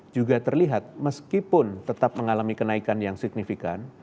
juga terlihat meskipun tetap mengalami kenaikan yang signifikan